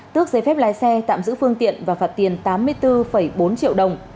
tước giấy phép lái xe tạm giữ phương tiện và phạt tiền tám mươi bốn bốn triệu đồng